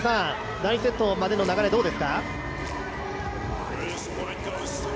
第１セットまでの流れはどうでしょうか？